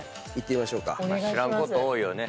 知らんこと多いよね。